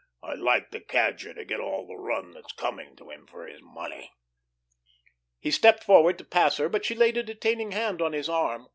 I'd like the Cadger to get all the run that's coming to him for his money." He stepped forward to pass her, but she laid a detaining hand on his arm.